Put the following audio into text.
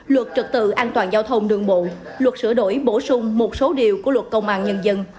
luật trật tự an toàn giao thông đường bộ luật sửa đổi bổ sung một số điều của luật công an nhân dân